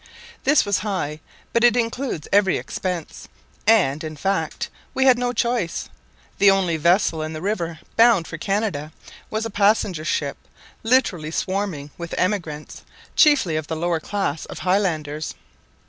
This was high, but it includes every expense; and, in fact, we had no choice. The only vessel in the river bound for Canada, was a passenger ship, literally swarming with emigrants, chiefly of the lower class of Highlanders.